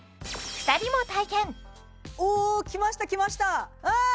２人も体験おおきましたきましたああ！